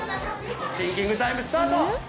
シンキングタイムスタート！